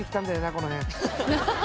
この辺。